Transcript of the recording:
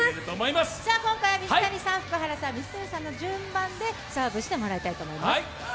今回は水谷さん、福原さん、水谷さんの順番でサーブしてもらいたいと思います。